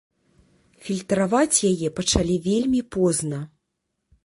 Фільтраваць яе пачалі вельмі позна.